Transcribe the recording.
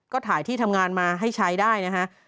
ก็ถ่ายที่ทำงานมาให้ใช้ได้นะฮะ